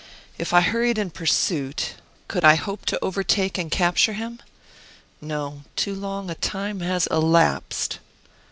If I hurried in pursuit, could I hope to overtake and capture him? No; too long a time has elapsed."